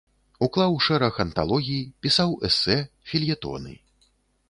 Уклаў шэраг анталогій, пісаў эсэ, фельетоны.